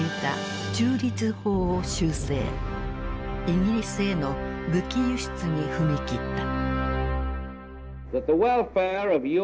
イギリスへの武器輸出に踏み切った。